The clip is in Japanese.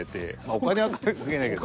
お金は関係ないけど。